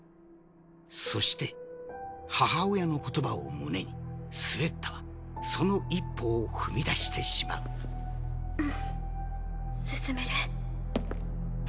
そして母親の言葉を胸にスレッタはその一歩を踏み出してしまううん進める。